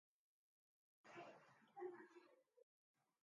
O čem govoriš?